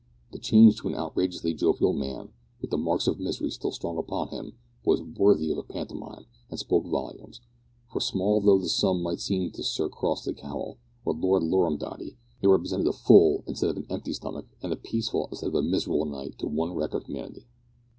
The change to an outrageously jovial man, with the marks of misery still strong upon him, was worthy of a pantomime, and spoke volumes; for, small though the sum might seem to Sir Crossly Cowel, or Lord Lorrumdoddy, it represented a full instead of an empty stomach and a peaceful instead of a miserable night to one wreck of humanity.